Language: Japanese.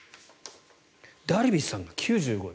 ダルビッシュさんが９５位。